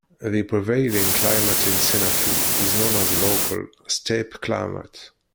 The prevailing climate in Senafe is known as a local steppe climate.